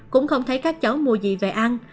cũng không thấy các cháu mua gì về ăn